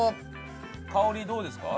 香りどうですか？